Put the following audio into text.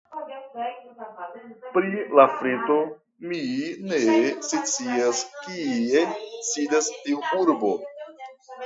Pri Lafrito, mi ne scias kie sidas tiu urbo.